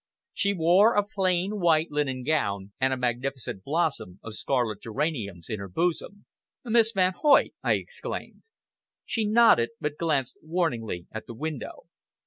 She wore a plain, white, linen gown, and a magnificent blossom of scarlet geraniums in her bosom. "Miss Van Hoyt!" I exclaimed. She nodded, but glanced warningly at the window.